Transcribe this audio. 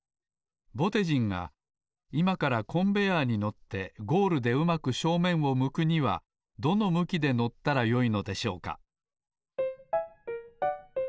ぼてじんがいまからコンベヤーに乗ってゴールでうまく正面を向くにはどの向きで乗ったらよいのでしょうか？